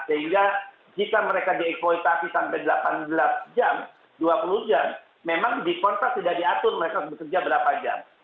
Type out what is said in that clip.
sehingga jika mereka diekploitasi sampai delapan belas jam dua puluh jam memang di kontrak tidak diatur mereka harus bekerja berapa jam